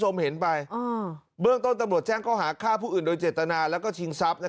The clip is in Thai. ก็เรียกร้องให้ตำรวจดำเนอคดีให้ถึงที่สุดนะ